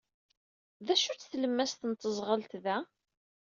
D acu-tt tlemmast n teẓɣelt da?